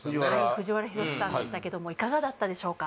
藤原寛さんでしたけどもいかがだったでしょうか